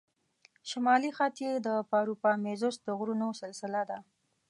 شمالي خط یې د پاروپامیزوس د غرونو سلسله وه.